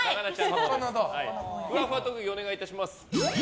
ふわふわ特技、お願いします。